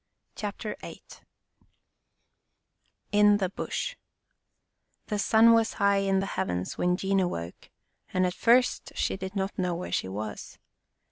CHAPTER VIII IN THE BUSH The sun was high in the heavens when Jean awoke and at first she did not know where she was.